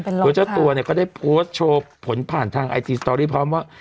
โดยเจ้าตัวเนี่ยก็ได้โพสต์โชว์ผลผ่านทางไอจีสตอรี่พร้อมว่า